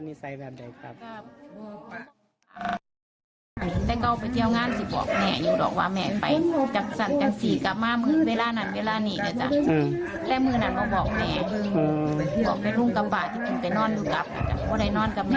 นี่งานนี้นะครับ